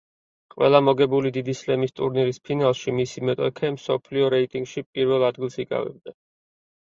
ყველა მოგებული დიდი სლემის ტურნირის ფინალში, მისი მეტოქე მსოფლიო რეიტინგში პირველ ადგილს იკავებდა.